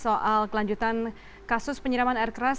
soal kelanjutan kasus penyiraman air keras